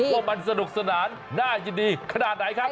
ว่ามันสนุกสนานน่ายินดีขนาดไหนครับ